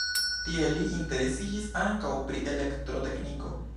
Tie li interesiĝis ankaŭ pri elektrotekniko.